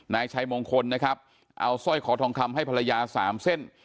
นายชัยมงคลนะครับเอาสร้อยคอทองคำให้ภรรยา๓เส้น